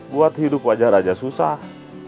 buat hidup wajar aja susah